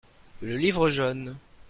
Le livre jaune.